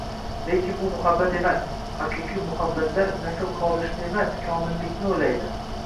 lekin bu muhabbat emas. Haqiqiy muhabbatlar nasl qoldirishni emas, komillikni o‘ylaydi.